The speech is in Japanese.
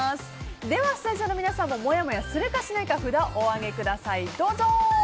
では、スタジオの皆さんももやもやするか、しないか札をお上げください、どうぞ！